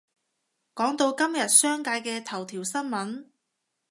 講到今日商界嘅頭條新聞